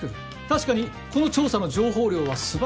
確かにこの調査の情報量は素晴らしい。